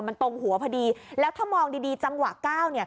มันตรงหัวพอดีแล้วถ้ามองดีจำหวะก้าว